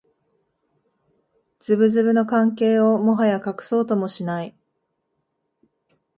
ズブズブの関係をもはや隠そうともしない